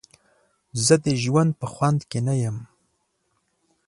زه د ژوند په خوند کې نه یم.